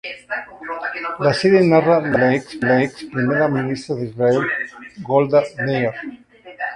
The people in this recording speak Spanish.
La serie narra la vida de la ex primera ministra de Israel Golda Meir.